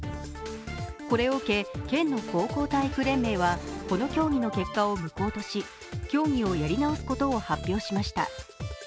これを受け、県の高校体育連盟はこの競技の結果を無効とし競技をやり直すことを発表しました。